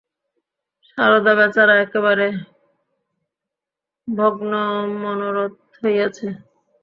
সারদা বেচারা একেবারে ভগ্নমনোরথ হইয়াছে।